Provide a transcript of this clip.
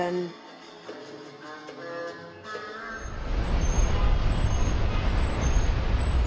apa yang kamu ingin lakukan untuk menjadi penari